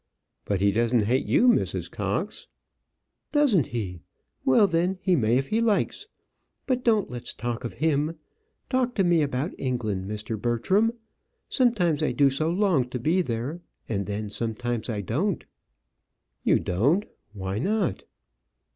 "But he doesn't hate you, Mrs. Cox." "Doesn't he? Well then, he may if he likes. But don't let's talk of him. Talk to me about England, Mr. Bertram. Sometimes I do so long to be there and then sometimes I don't." "You don't why not?"